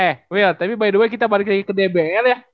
eh wear tapi by the way kita balik lagi ke dpr ya